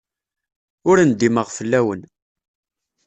Ur ndimeɣ fell-awen.